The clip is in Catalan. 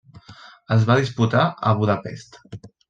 Es va disputar a Budapest.